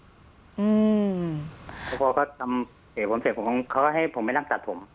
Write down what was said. อืมเพราะเขาก็เตะผมเสร็จเขาก็ให้ผมไปนั่งตัดผม